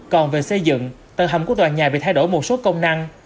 còn về xây dựng tầng hầm của tòa nhà bị thay đổi một số công năng